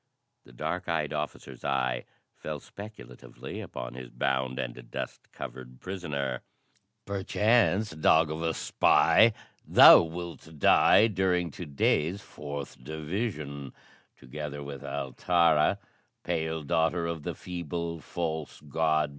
The dark eyed officer's eye fell speculatively upon his bound and dust covered prisoner. "Perchance, dog of a spy, thou wilt die during to day's fourth division together with Altara, pale daughter of the feeble, false god Poseidon."